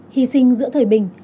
hi sinh giữa thời bình